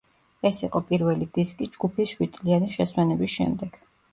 ეს იყო პირველი დისკი ჯგუფის შვიდწლიანი შესვენების შემდეგ.